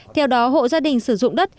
theo đó hộ gia đình sử dụng đất